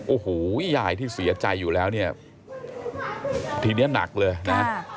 โอ้โหยายที่เสียใจอยู่แล้วเนี่ยทีนี้หนักเลยนะ